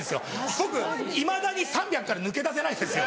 僕いまだに３００人から抜け出せないんですよ。